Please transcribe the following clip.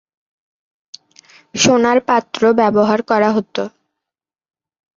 সোনার পাত্র ব্যবহার করা হত।